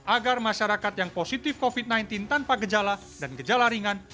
agar masyarakat yang positif covid sembilan belas tanpa gejala dan gejala ringan